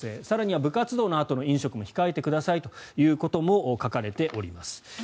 更には部活動のあとの飲食も控えてくださいということも書かれております。